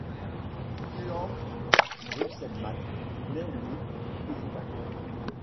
Twan Brusselman naît le aux Pays-Bas.